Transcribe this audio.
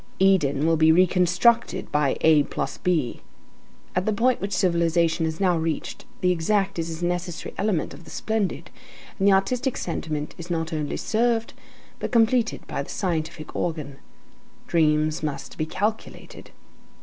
Eden will be reconstructed by A+B. At the point which civilization has now reached, the exact is a necessary element of the splendid, and the artistic sentiment is not only served, but completed by the scientific organ; dreams must be calculated.